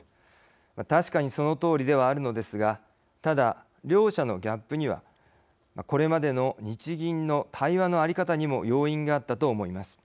確かに、そのとおりではあるのですがただ、両者のギャップにはこれまでの日銀の対話の在り方にも要因があったと思います。